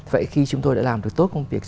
vậy khi chúng tôi đã làm được tốt công việc